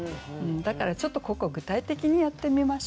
だからちょっとここは具体的にやってみましょう。